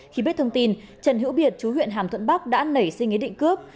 khi biết thông tin trần hữu biệt chú huyện hàm thuận bắc đã nảy sinh ý định cướp